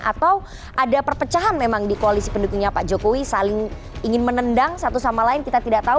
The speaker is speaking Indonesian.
atau ada perpecahan memang di koalisi pendukungnya pak jokowi saling ingin menendang satu sama lain kita tidak tahu